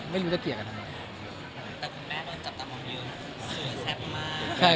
ไม่รู้จะเกลียดกันอะไร